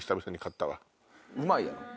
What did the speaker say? うまいやろ？